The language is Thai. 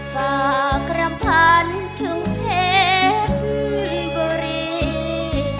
ก็กรรมพันธุ์ถึงเผ็ดบุรี